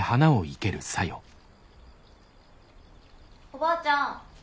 ・おばあちゃん